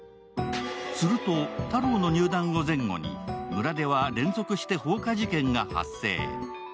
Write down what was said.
すると、太郎の入団を前後に村では連続して放火事件が発生。